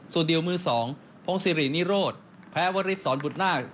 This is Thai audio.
สุดเดียวมือ๒พงศิรินิโรศแพ้วริสต์สอนบุตนาก